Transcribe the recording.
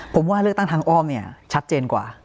ผมว่าเลือกตั้งทางอ้อมเนี่ยชัดเจนกว่า